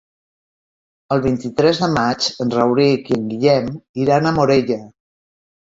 El vint-i-tres de maig en Rauric i en Guillem iran a Morella.